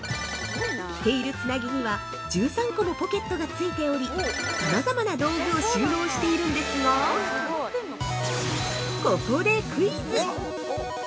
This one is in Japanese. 着ているつなぎには１３個もポケットがついておりさまざまな道具を収納しているんですがここで、クイズ！